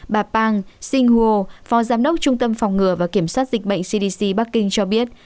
bà pang sinh hua phó giám đốc trung tâm phòng ngừa và kiểm soát dịch bệnh cdc bắc kinh cho biết